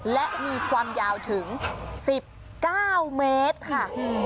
และมีความยาวถึง๑๙เมตรค่ะ